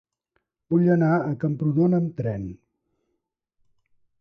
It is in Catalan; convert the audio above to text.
Vull anar a Camprodon amb tren.